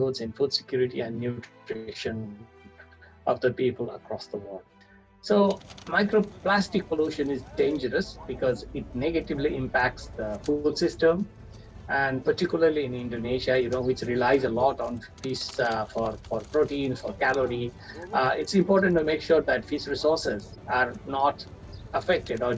dari penelitian mikroplastik